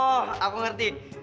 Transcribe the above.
oh aku ngerti